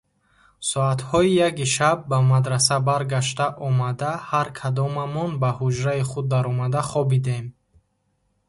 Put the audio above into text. Соатҳои яки шаб ба мадраса баргашта омада, ҳар кадомамон ба ҳуҷраи худ даромада хобидем.